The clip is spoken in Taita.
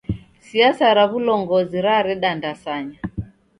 Siasa ra w'ulongozi rareda ndasanya.